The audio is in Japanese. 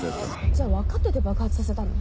じゃ分かってて爆発させたの？